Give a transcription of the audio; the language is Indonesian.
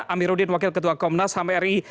amiruddin wakil ketua komnas ham ri